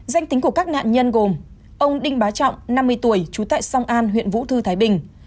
danh tính của các nạn nhân gồm ông đinh bá trọng năm mươi tuổi trú tại song an huyện vũ thư thái bình